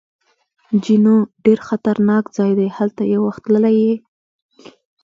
جینو: ډېر خطرناک ځای دی، هلته یو وخت تللی یې؟